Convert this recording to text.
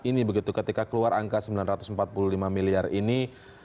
ini begitu ketika keluar angka sembilan ratus empat puluh lima miliar ini